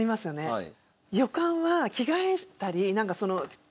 はい。